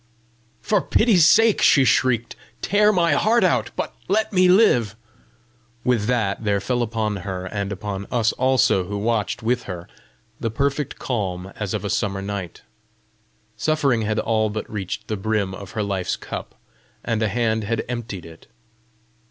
"For pity's sake," she shrieked, "tear my heart out, but let me live!" With that there fell upon her, and upon us also who watched with her, the perfect calm as of a summer night. Suffering had all but reached the brim of her life's cup, and a hand had emptied it!